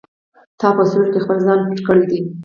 تا په سیوري کې خپل ځان پټ کړی دی.